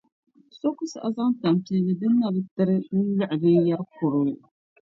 So ku saɣi zaŋ tan’ palli din na bi tiri n-liɣi binyɛr’ kurili.